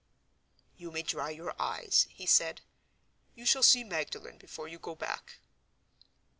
"You may dry your eyes," he said. "You shall see Magdalen before you go back."